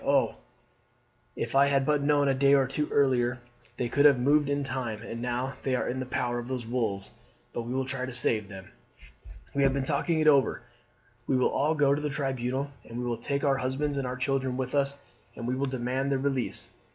Oh, if I had but known a day or two earlier they could have moved in time, and now they are in the power of those wolves; but we will try to save them. We have been talking it over. We will all go to the tribunal, and we will take our husbands and our children with us, and we will demand their release.